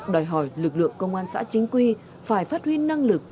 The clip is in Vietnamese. đòi hỏi lực lượng công an xã chính quy phải phát huy năng lực